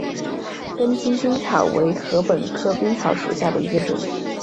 根茎冰草为禾本科冰草属下的一个种。